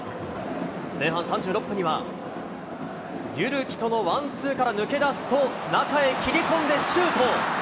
前半３６分には、ゆるきとのワンツーから抜け出すと、中へ切り込んでシュート。